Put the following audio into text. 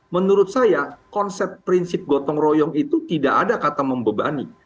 menurut saya konsep prinsip gotong royong itu tidak ada kata membebani